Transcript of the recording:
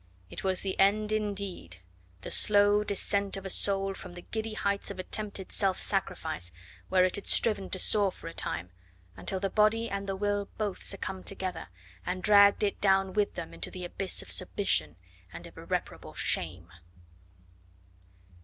It was the end indeed, the slow descent of a soul from the giddy heights of attempted self sacrifice, where it had striven to soar for a time, until the body and the will both succumbed together and dragged it down with them into the abyss of submission and of irreparable shame.